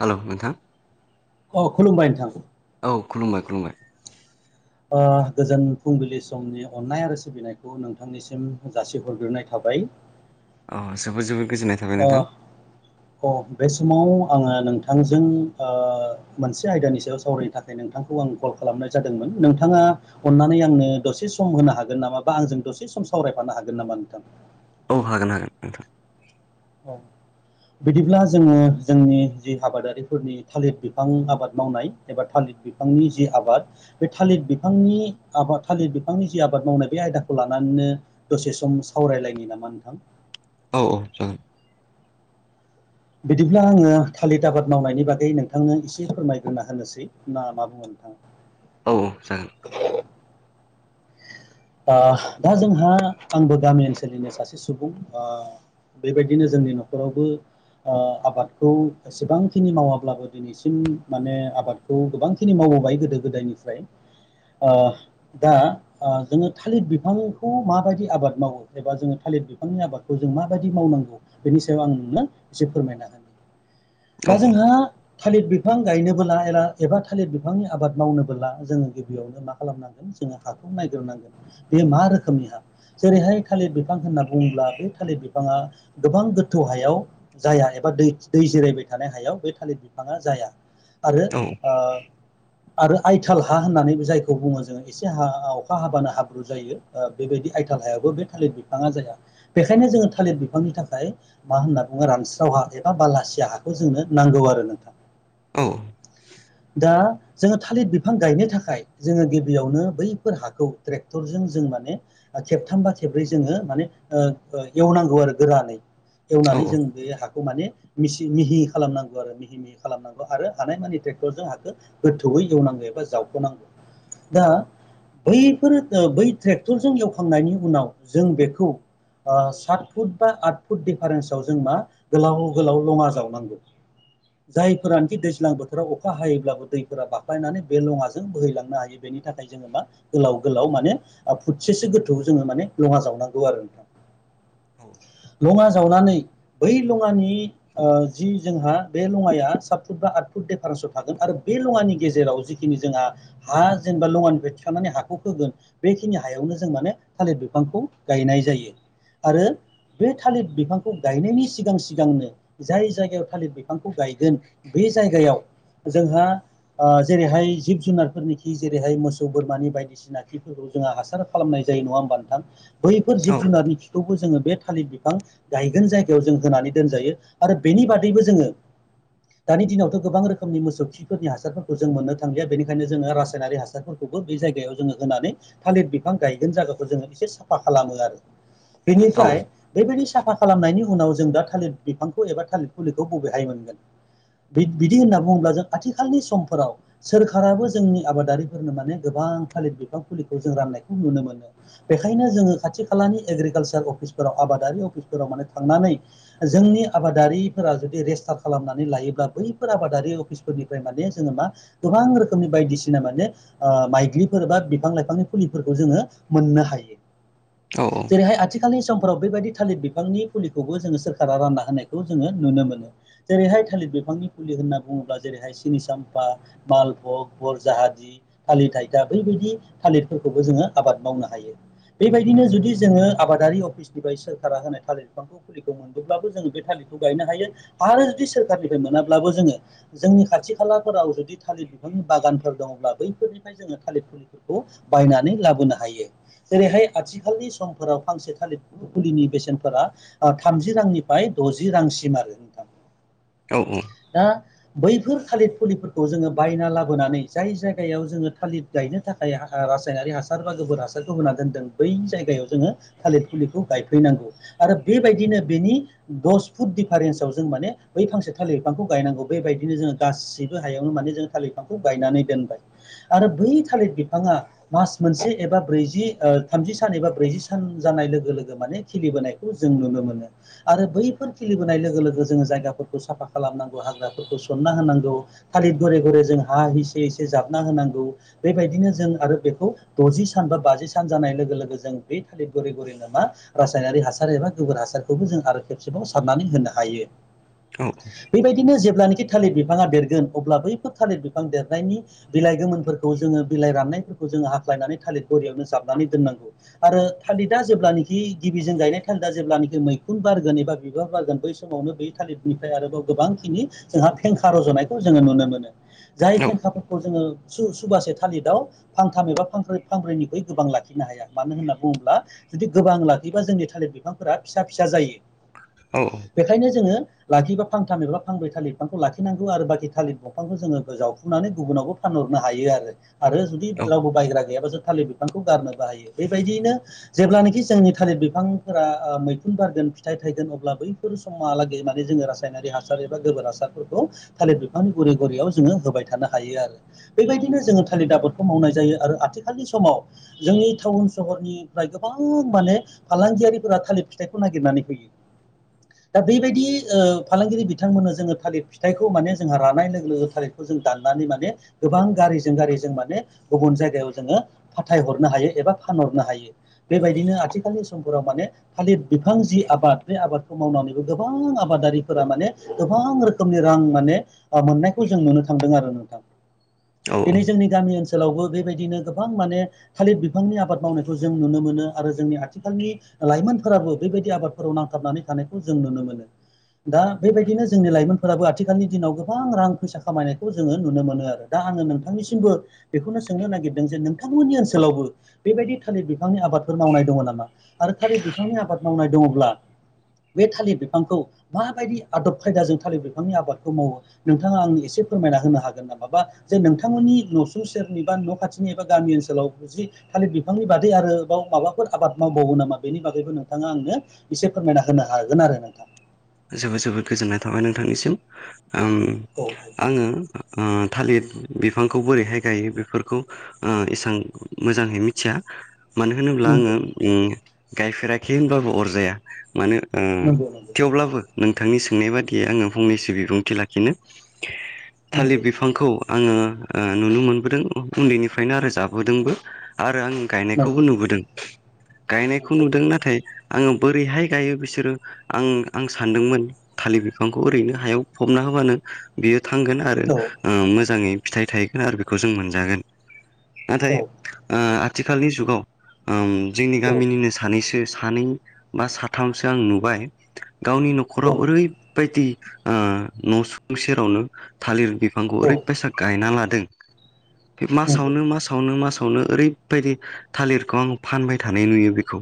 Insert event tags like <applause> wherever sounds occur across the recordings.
Hello नोंथां अ खुलुमबाय नोंथा। औ खुलुमबाय खुलुमबाय। गोजोन फुंबिलि समनि अननाय आरो सिबिनायखौ नोंथांनिसिम जासिहरग्रोनाय थाबा बाय। अ जोबोद जोबोद गोजोननाय थाबाय नोंथां। अ बे समाव आङो नोंथांजों मोनसे आयदानि सायाव सावरायनो थाखाय नोंथांखौ आं कल खालामनाय जादोंमोन नोंथाङा अननानै आंनो दसे सम होनो हागोन नामा बा आंजों दसे सम सावरायफानो हा गोन नामा नोंथां? औ हागोन हागोन नोंथां। औ। बिदिब्ला जोङो जोंनि जि आबादारिफोरनि थालिर बिफां आबाद मावनाय एबा थालिर बिफांनि जि आबाद बे थालिर बिफांनि आबाद थालिर बिफांनि जि आबाद मावनाय बे आयदाखौ ला नानैनो दसे सम सावरायलायनि नामा नोंथां? औ औ जागोन। बिदिब्ला आङो थालिर आबाद मावनायनि बागै नोंथांनो एसे फोरमायग्रोना होनोसै ना मा बुङो नोंथां? औ औ जागोन। दा जोंहा आंबो गामि ओनसोलनिनो सासे सुबुं ओ बेबायदिनो जोंनि न'खरावबो आबादखौ एसेबांखिनि मावाब्लाबो दिनैसिम माने आबादखौ गोबांखिनि माव गोदो गोदायनिफ्राय दा जोंङो थालिर बिफांखौ माबायदि आबाद मावो एबा जोंङो थालिर बिफांनि आबादखौ जों माबायदि मावनो बेनि सायाव आं नोंनो एसे फोरमायना होनो औ दा जोंहा थालिर बिफां गायनोबोब्ला एला- एबा थालिर बिफांनि आबाद मावनोबोला जोंङो गिबियावनो मा खालामनांगोन जोंङो खौ नायग्रोनांगोन बे मा रोखोमनि हा जेरैहाय थालिर बिफां होनना बुंङोब्ला बे थालिर बिफाङा गोबां गोथौ हायाव जाया एबा दै जिरायबाय थानाय हायाव बे थालिर बिफांङा जाया। आरो आरो आइथाल हा होननानै जायखौ बुंङो जोंङो एसे हा अखा हाबानो हाब्रु जायो बेबायदि आइथाल हायाबो बे थालिर बिफांङा जाया बेखायनो जोंङो थालिद बिफांनि थाखाय मा होनना बुंङो रानस्राव हा एबा बालासिया हाखौ जोंनो नांगौ आरो नोंथां। औ दा जोंङो थालिर बिफां गायनो थाखाय जोंङो गिबियावनो बै फोर हाखौ ट्रेक्टरजों जों माने खेबथामबा खेब्रै जोंङो माने ओ एवनांगौ आरो गोरानै औ एवनानै जों बे हाखौ माने मिसि मिहि खालामनांगौ आरो मिहि मिहि खालामनांगौ आरो हानायमानि ट्रेक्टरजों हाखौ गोथौयै एवनांगो। जावखनांगौ दा बैफोरो बै ट्रेक्टरजों एवखांनायनि उनाव जों बेखौ सात फुट बा आठ फुट दिडिफारेन्सआव जों मा गोलाव गोलाव लंङा जावनांगौ। जायफोरानोखि दैज्लां बोथोराव अखा हायोब्लाबो दैफोरा बाख्लायनानै बे लङाजों बोहैलांनो हायो बायदि नि थाखाय जोंङोमा गोलाव गोलाव माने फुटसेसो गोथौ जोङो माने लंङा जावनांगौ आरो नोंथां। लंङा जावनानै बै लंङानि जि जोंहा बे लङाया सात फुट बा आद फुट डिफारेन्सआव थागोन आरो बे लंङानि गेजेराव जिखिनि जोंहा हा जेनेबा लंङानिफ्राय खनानै हाखौ होगोन बेखिनि हायावनो जों माने थालिर बिफांखौ गायनाय जायो। आरो बे थालिर बिफांखौ गायनायनि सिगां सिगांनो जाय जायगायाव थालिर बिफांखौ गायगोन बे जायगायाव जोंहा ओ जेरैहाय जिब जुनारफोरनिखि जेरैहाय मोसौ बोरमानि बायदिसिना खिफोरखौ जोंहा हासार खालामनाय जायो नंङा होमबा नोंथां? बैफोर जिब जुनारनि खिखौबो जोंङो बे थालिर बिफां गायगोन जायगायाव जों होनानै दोनजायो आरो बेनि बादैबो जोंङो दानि दिनावथ' गोबां रोखोमनि मोसौ खिफोरनि हासारफोरखौ जों मोननो थांलिया बेनिखायनो जोंङो रासायनारिक हासारफोरखौ खौबो बे जायगायाव जोंङो होनानै थालिर बिफां गायगोन जायगाखौ जोंङो एसे साफा खालामो आरो। बेनिफ्राय बेबायदि साफा खालामनायनि उनाव जों दा थालिर बिफांखौ एबा थालिर फुलिखौ बबेहाय मोनगोन। बिदि होनना बुंङोब्ला जों आथिखालनि समफोराव सोरखाराबो जोंनि आबादारिफोरनो माने गोबां थालिर बिफां फुलिखौ जों राननायखौ नुनो मोनो बेखायनो जोंङो खाथि खालानि एग्रिकालसार अफिस अफिसफोराव आबादारि अफिसफोराव माने थांनानै जोंनि आबादारिफोरा जुदि रेजस्टार खालामनानै ला थायोब्ला बैफोर आबादारि अफिसफोरनिफ्राय माने जोंङो मा गोबां रोखोमनि बायदिसिना माने ओ माइग्रिफोर बा बिफां लाइफांनि फुलिफोरखौ जोङो मोननो हायो। जेरैहाय आथिखालनि सम फोराव बेबायदि थालिर बिफांनि फुलिखौबो जोंङो सोरखारा रानना होनाय जोंङो नुनो मोनो जेरैहाय थालिर बिफां बिंफांनि फुलि होनना बुंङोब्ला जेरैहाय सिनि साम्फा मालभग बररजाहादि थालिर थाइथा बैबायदि थालिरफोरखौबो जोंङो आबाद मावनो हायो बेबायदिनो जुदि जोंङो आबाद सनिफ्राय सोरखारा होनाय थालिर बिफांखौ फुलिखौ मोनदोंब्लाबो जोंङो बे थालिरखौ गायनो हायो आरो जुदि सोरखारनिफ्राय मोनाब्लाबो जोङो जोंनि खाथि खालाफोराव जुदि थालिर बिफांनि बागानफोर दंङब्ला बै फोरनिफ्राय जोंङो थालिर फुलिफोरखौ बायनानै लाबोनो हायो। जेरैहाय आथिखालनि समफोराव फांसे थालिर फुलिनि बेसेनफोरा ओ थामजि रांनिफ्राय द'जि रांसिम आरो नोंथां। औ औ दा बैफोर थालिर फुलिफोरखौ जोङो बायना लाबोनानै जाय जाय जायगायाव जोङो थालिर गायनो थाखाय रासायनारि हासार बा गोबोर हासारखौ होना दोनदों बै जायगायाव जोङो थालिर फुलिखौ गायफैनांगौ आरो बेबायदिनो बेनि दस फुट दिफारेन्सआव जों माने बै फांसे थालिर बिफांखौ गायनांगौ बेबायदिनो जोङो गासैबो हायावनो माने जों थालिर बिफांखौ गायनानै दोनबाय आरो बै थालिर बिफाङा मास मोनसे एबा ब्रैजि ओ थामजि सान एबा ब्रैजि सान जानाय लोगो लोगो माने खिलिबोनायखौ जों नुनो मोनो आरो बैफोर खिलिबोनाय लोगो लोगो जोङो जाय हाग्राफोरखौ साफा खालामनांगौ हाग्राफोरखौ सनना होनांगौ थालिर थालिर गराय गराय जों हा हिसि हिसि जाब नाहोनांगौ बेबायदिनो जों आरो बेखौ द'जि सान बा बाजि सान जानाय लोगो लोगो जों बे थालिर गुरै गुरै मा रासायनारि हासार एबा गोबोर हासारखौबो जों आरो खेबसेबाव सारनानै होनो हायो। बेबायदिनो जेब्लानोखि थालिर बिफाङा देरगोन अब्ला बैफोर थालिर बिफां देरनायनि बिलाइ गोमोनफोरखौ जोङो बिलाइ राननायफोरखौ जोङो हाख्लायनानै थालिर गरियावनो जाबनानै दोननांगौ आरो थालिरदा जेब्लानोखि गिबिजों गायनाय थालिदा जेब्लानोखि मैखुन बारगोन एबा बिबार बारगोन बै समावनो बै था लिदनिफ्राय आरोबाव गोबांखिनि जोंहा फेंखा रज'नायखौ जोङो नुनो मोनो जाय फेंखा ओ सु सुबासे थालिराव फांथाम एबा फांब्रैनिखुइ गोबां लाखिनो हाया मानो होनना बुङोब्ला जुदि गोबां लाखियोबा जोंनि थालिर बिफांफोरा फिसा फिसा जायो। औ बेखायनो जोङो लाखिबा फांथाम एबा फांब्रै थालिर बिफांखौ लाखिनांगौ आरो बाखि थालिर बंफांखौ जोङो जावफुनानै गुबुनावबो फानहरनो हायो आरो जुदि रावबो बायग्रा गैयाबासो थालिर बिफांखौ गारनोबो हायो बेबायदि जेब्लानोखि जोंनि थालिर बिफांफोरा मैखुन बारगोन फिथाइ थाइगोन अब्ला बैफोर समा माने जोङो रासायनारि हासार एबा गोबोर हासारफोरखौ थालिर बिफांनि गुरि गुरियाव जोङो होबाय थानो हा थायो आरो बेबायदिनो जोङो थालिर आबादखौ मावनाय जायो आरो आथिखालनि समाव जोंनि टाउन सहर फोरनिफ्राय गोबां माने फालांगियारिफोरा थालिर फिथाइखौ नागिरनानै फैयो। दा बेबायदि ओ फालांगिरि बिथांमोननो जोङो थालिर फिथाइखौ माने जोंहा रानाय लोगो लोगो थालिरखौ जों दा नानै माने गोबां गारिजों गारि जों माने गुबुन जायगायाव जोङो फाथाय हरनो हायो एबा फान नो हायो बेबायदिनो आथिखालनि समफोराव माने थालिर बिफां जि आबाद बे आबादखौ मावनानैबो गोबां आबादारिफोरा माने गोबां रोखोमनि रां माने ओ मोननायखौ जों नुनो थांदों आरो नों औ दिनि जोंनि गामि ओनसोलावबो बेबाय दिनो गोबां माने थालिर बिफांनि आबाद मावनायखौ जों नुनो मोनो आरो जोंनि आथिखालनि लाइमोनफोरा बेबायदि आबादफोराव नांथाबनानै थानायखौ जों नुनो मोनो। दा बेबायदिनो जोंनि लाइमोनफोराबो आथिखालनि दिनाव गोबां रां फैसा खामायनायखौ जोङो नुनो मोनो आरो दा आङो नोंथांनिसिमबो बेखौनो सोंनो नागिरदों जे नोंथांमोननि ओनसोलावबो बे बेबायदि थालिर बिफांनि आबादफोर मावनाय दङ नामा? आरो थालिर बिफांनि आबाद मावनाय दङब्ला बे थालिर बिफांखौ माबायदि आदब खायदाजों थालिर बिफांनि आबादखौ मावो नोंथाङा आंनो एसे फोरमायना होनो हागोन नामा बा जे नोंथांमोननि न'सुं सेरनि बा न' खाथिनि एबा गामि ओनसोलाव थालि बि फांनि बादै आरोबाव माबाफोर आबाद मावबावो नामा? बेनि बागैबो नोंथाङा आंनो एसे फोरमायना होनो हागोन ना आरो नोंथां। जोबोद जोबोद गोजोननाय थाबाय नोंथांनिसिम। आं औ आङो ओ थालिर बिफांखौ बोरैहाय गायो बेफोरखौ ओ एसां मोजाङैहाय मिथिया। मानो होनोब्ला आङो नंगौ उम गायफेराखै होनब्लाबो अरजाया मानो ओ नंगौ नंगौ थेवब्लाबो नोंथांनि सोंनाय बादियै आङो फंनैसो बिबुंथि लाखिनो नंगौ थालिर बिफांखौ आङो ओ नुनो मोनबोदों उन्दैनिफ्रायनो आरो जाबोदोंबो आरो आरो आं गायनायखौबो नंगौ नुबोदों गायनायखौ नुदों नंगौ नाथाय आङो बोरैहाय गायो बिसोरो आं आं सान्दोंमोन थालिर बिफांखौ ओरैनो हायाव फबना होबानो बियो थांगोन आरो मोजाङै ओ फिथाइ थायगोन आरो बेखौ जों मोनजागोन। औ नाथाय ओ आथिखालनि जुगाव जोंनि गामिनिनो सानैसो सानै बा साथामसो आं नुबाय गावनि औ न'खराव ओरैबायदि न'सुं सेरावनो थालिर बिफांखौ औ ओरैबायसा गायना ला दों बे नंगौ मासावनो मासावनो मा साववनो ओरैबायदि थालिरखौ आं फानबाय थानाय नुयो बेखौ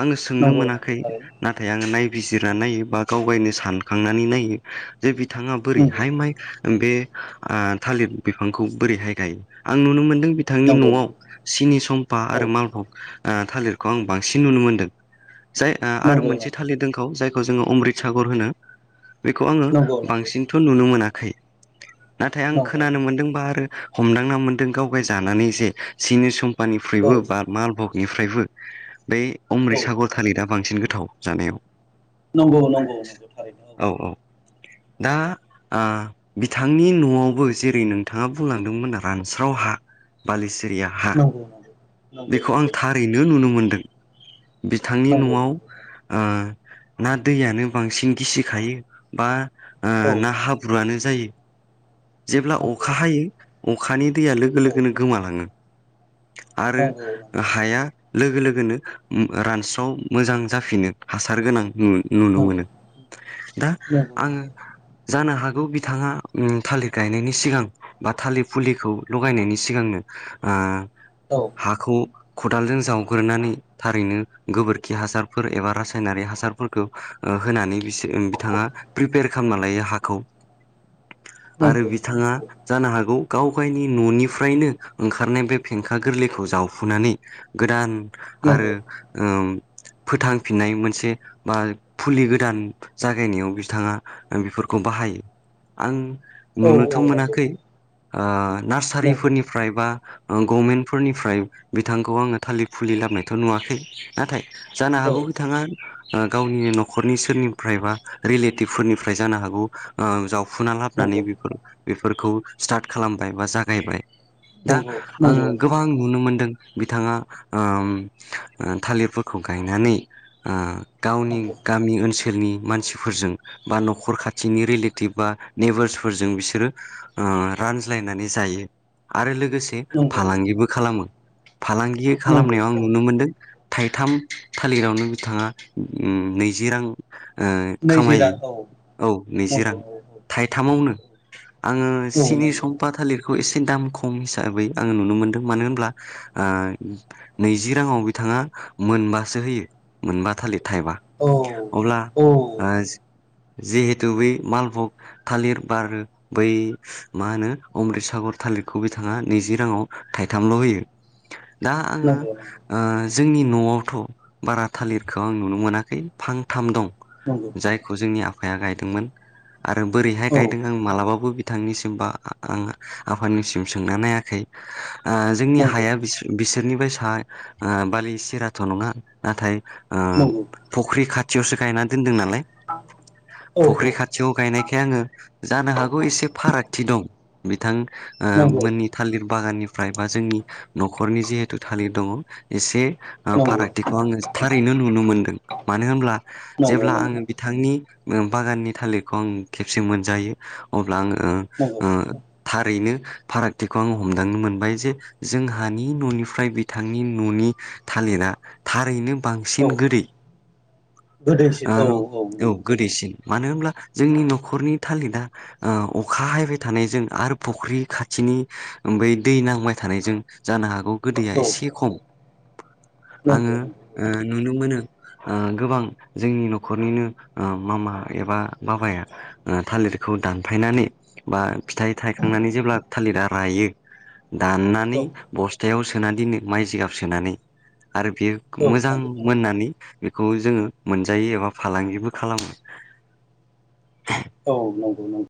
आङो सोंनो नंगौ नंगौ मोनाखै थारैनो नाथाय आङो नायबिजिरना नायोबा गावगायनो सानखांनानै नायो जे बिथाङा बोरैहाय नंगौ नंगौ माइ बे थालिर बिफांखौ बोरैहाय गायो आं नुनो मोनदों बिथांनि न'आव औ सिनि सम्पा आरो मालभग थालिरखौ आं बांसिन नुनो मोन्दों जाय आरो नंगौ मोनसे थालिर दों जायखौ जोङो अमृत सागर होनो बेखौ आङो नंगौ बांसिनथ' नुनो मोनाखै नाथाय आं नंगौ नंगौ खोनानो मोन्दोंबा आरो हमदांना मोनदों गाव गाय जानानै जे सिनि सम फानिफ्राययबो बार मालभगनिफ्रायबो बे नंगौ औ अमृतसागर थालिरा बांसिन गो थाव जानायाव नंगौ नंगौ नंगौ थारैनो औ औ। दा आं बिथांनि न'आवबो जेरै नोंथाङा बुंलांदोंमोन रानस्राव हा बालिसिरिया हा नंगौ बेखौ नंगौ आं थारैनो नुनो मोनदों। नंगौ बिथांनि न'आव नंगौ थारैनो ओ ना दैयानो बांसिन गिसिखायो बा औ ना हाब्रुआनो जायो जेब्ला नंगौ अखा हायो अखानि दैया लोगो औ लोगोनो गोमालाङो नंगौ आरो नंगौ हाया लोगो लोगो रानस्राव मोजां जाफिनो हासार गोनां नुनो औ नंगौ मोनो दा नंगौ नंगौ आङो जानो हागौ बिथाङा थालिर गायनायनि सिगां बा थालिर फुलिखौ लगायनायनि सिगांनो आं औ हाखौ खदालजों जावग्रोनानै थारैनो गोबोरखि हासारफोर एबा रासायनारि हासारफोर खौ होनानै बिसो बिथाङा प्रिपेयार खालामना लायो हाखौ आरो नंगौ औ नंगौ औ बिथाङा जानो हागौ गाव गायनि न'निफ्रायनो ओंखारनाय बे फेंखा गोरलैखौ जावखुनानै गोदान आरो ओ फोथांफिननाय मोनसे बा फुलि गोदान जागायनायाव बिथाङा बेफोरखौ बाहायो आं नुनोथ' औ नंगौ मोनाखै ओ नंगौ नार्सारिफोरनिफ्राय बा गभमेन्टफोरनिफ्राय बिथांखौ आङो थालिर फुलि लाबायथ' नुवाखै नाथाय जानो औ हागौ बिथाङा ओ गावनि न'खरनि सोरनिफ्राय बा रिलेटिभफोरनिफ्राय जानो हागौ ओ जाव वफुना लाबोनानै नंगौ बेफोर बेफोरखौ स्टार्ट खालामबाय बा जागायबाय दा नंगौ नंगौ आङो नंगौ गोबां औ नुनो मोनदों बिथाङा ओ थालिरफोरखौ गायनानै ओ गावनि नंगौ गामि ओनसोलनि मानसिफोरजों बा न'खर खाथिनि रिलेटिभ बा नेबार्सफोरजों बिसोरो ओ रानज्लायनानै जायो आरो लोगो लोगोसे नंगौ नंगौ फालांगिबो खालामो फालांगि नंगौ खालामनायाव आं औ नुनो मोनदों थाइथाम थालिरावनो बिथाङा नैजि रां ओ नैजि खामायो रां औ औ नैजि नंगौ रां औ थाइथामावनो आङो औ सिनि नंगौ सम्फा थालिरखौ एसे एसे दाम खम हिसाबै आङो नुनो मोनदों मानो होनब्ला ओ नैजि राङाव बिथाङा मोनबासो होयो मोनबा थालिर थाइबा औ अब्ला औ ओ जि जिहेतु बै मालबग थालिर बा आरो बै मा होनो अमृतसागर थालिर खौ बिथाङा नैजि राङाव थाइथामल' होयो। <inaudible> दा आङो नंगौ नंगौ ओ जोंनि न'आवथ' बारा थालिरखौ आं नुनो मोनाखै फांथाम दं नंगौ जायखौ जोंनि आफाया गायदोंमोन। आरो बोरैहाय औ गायदों आं मालाबाबो बिथांनिसिम बा आं आफानिसिम सोंना नायाखै। आ जोंनि नंगौ हाया बिसो-बिसोरनिफ्राय सा आ बालि सिराथ' नङा। नाथाय आ नंगौ फुख्रि खाथियावसो गायना दोनदों नालाय औ फुख्रि खाथियाव गायनायखाय आङो जानो हागौ एसे फारागथि दं। बिथां ओ नंगौ नंगौ मोननि थालिर बागाननि फ्राय बा जोंनि न'खरनि जिहेतु थालिर दङ' एसे ओ फारागथिखौ आङो थारैनो नुनो मोनदों मानो होनब्ला नंगौ नंगौ जेब्ला आङो बिथांनि ओ बागाननि थालिरखौ आं खेबसे मोनजायो। अब्ला आङो ओ नंगौ ओ था रैनो फारागथिखौ आङो हमदांनो मोनबाय जे जोंहानि न'निफ्राय बिथांनि न'नि थालिरा थारैनो औ बांसिन गोदै गोदैसिन औ ओ औ नंगौ गोदैसिन। मानो होमब्ला जोंनि न'खरनि थालिदा ओ अखा हायबाय थानायजों आरो फख्रि खाथिनि नि उम बै दै नांबाय थानायजों जानो हागौ गोदैया औ एसे खम। नंगौ आङो नंगौ ओ नुनो मोनो। आ गोबां जोंनि न'खरनिनो ओ मामा एबा बाबाया ओ थालिरखौ दानफायनानै बा फिथाइ थायखांनानै जेब्ला थालिरा रायो। दाननानै औ बस्थायाव सोना दिननो माइ जिगाब सोनानै आरो बेयो मोजां नंगौ मोननानै बेखौ जोङो मोनजायो एबा फालांगिबो खालामो। औ नंगौ नों